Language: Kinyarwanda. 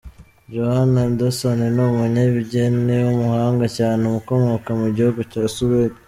Johan Anderson ni umunyabugeni w’umuhanga cyane ukomoka mu gihugu cya Suede.